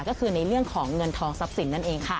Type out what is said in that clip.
ก็คือในเรื่องของเงินทองทรัพย์สินนั่นเองค่ะ